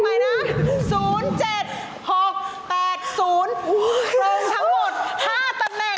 เพิ่มทั้งหมด๕ตำแหน่ง